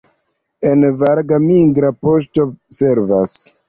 En Varga migra poŝto servas.